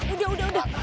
udah udah udah